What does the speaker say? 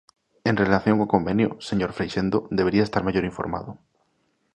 En relación co convenio, señor Freixendo, debería estar mellor informado.